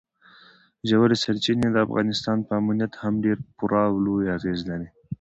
ژورې سرچینې د افغانستان په امنیت هم ډېر پوره او لوی اغېز لري.